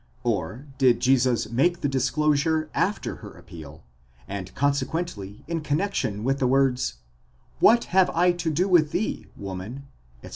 Or did Jesus make the disclosure after her appeal, and consequently in connexion with the words: What have 7 to do with thee, woman, etc.?